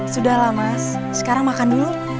sudahlah mas sekarang makan dulu